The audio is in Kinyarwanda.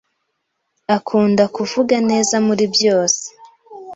Akunda kuvuga neza muri byose.